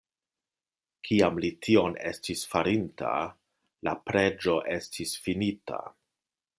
Kiam li tion estis farinta, la preĝo estis finita.